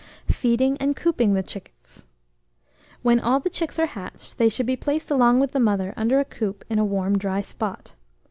FEEDING AND COOPING THE CHICKS. When all the chicks are hatched, they should be placed along with the mother under a coop in a warm dry spot.